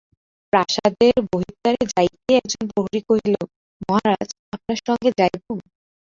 প্রাসাদের বহির্দ্বারে যাইতেই একজন প্রহরী কহিল, মহারাজ, আপনার সঙ্গে যাইব?